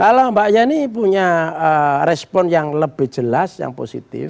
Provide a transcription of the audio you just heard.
kalau mbak yeni punya respon yang lebih jelas yang positif